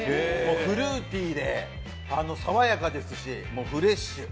フルーティーで爽やかですしフレッシュ。